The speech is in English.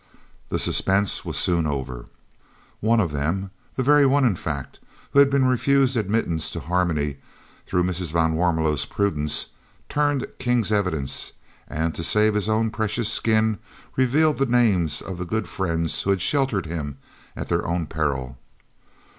The suspense was soon over. One of them the very one, in fact, who had been refused admittance to Harmony through Mrs. van Warmelo's prudence, turned King's evidence and, to save his own precious skin, revealed the names of the good friends who had sheltered him at their own peril.